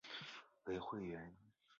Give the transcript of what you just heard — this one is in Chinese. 为会员。